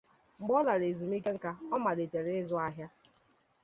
Mgbe ọ lara ezumike nká, ọ malitere izu ahịa.